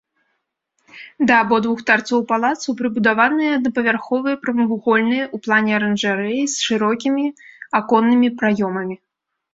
Да абодвух тарцоў палацу прыбудаваныя аднапавярховыя прамавугольныя ў плане аранжарэі з шырокімі аконнымі праёмамі.